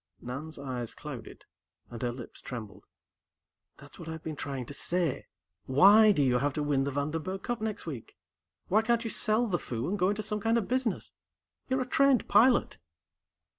Nan's eyes clouded, and her lips trembled. "That's what I've been trying to say. Why do you have to win the Vandenberg Cup next week? Why can't you sell the Foo and go into some kind of business? You're a trained pilot."